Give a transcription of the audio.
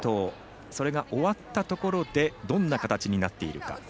それが終わったところでどんな形になっているか。